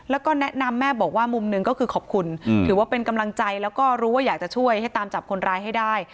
แล้วก็แนะนำแม่บอกว่ามุมหนึ่งก็คือขอบคุณถือว่าเป็นกำลังใจแล้วก็รู้ว่าอยากจะช่วยให้ตามจับคนร้ายให้ได้